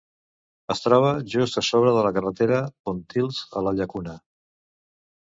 Es troba just a sobre de la carretera Pontils a la Llacuna.